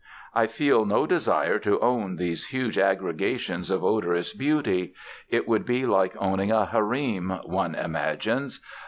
I feel no desire to own these huge aggregations of odorous beauty. It would be like owning a harem, one imagines.